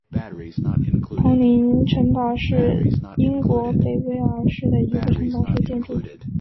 彭林城堡是英国北威尔士的一个城堡式建筑。